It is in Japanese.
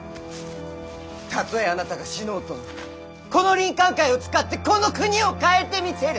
たとえあなたが死のうともこの林肯会を使ってこの国を変えてみせる。